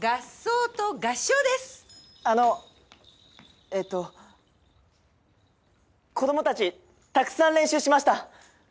あのえーと子供たちたくさん練習しました！